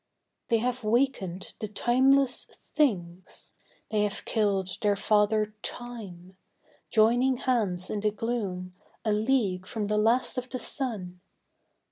They have wakened the timeless Things; they have killed their father Time; Joining hands in the gloom, a league from the last of the sun.